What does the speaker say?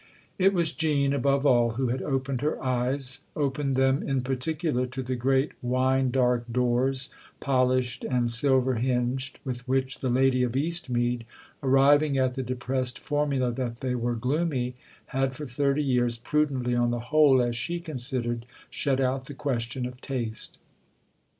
It was Jean, above all, who had opened her eyes opened them in particular to the great wine dark doors, polished and silver hinged, with which the lady of Eastmead, arriving at the depressed formula that they were " gloomy," had for thirty years, prudently on the whole, as she considered, shut out the question of taste.